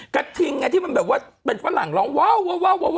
กระทิงไงที่มันแบบว่าเป็นฝรั่งร้องว้าว